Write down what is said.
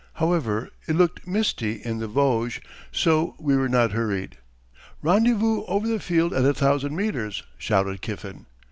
However it looked misty in the Vosges, so we were not hurried. "Rendezvous over the field at a thousand metres," shouted Kiffen.